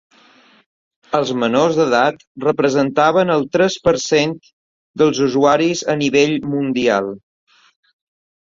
Els menors d’edat representaven el tres per cent dels usuaris a nivell mundial.